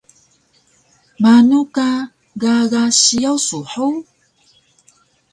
Manu ka gaga siyaw su hug?